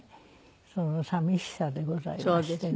その寂しさでございましたね。